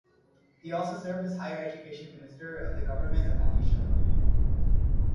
He also served as Higher Education Minister of the Government of Odisha.